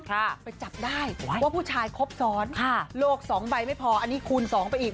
ไปจับได้ว่าผู้ชายครบซ้อนค่ะโลกสองใบไม่พออันนี้คูณสองไปอีก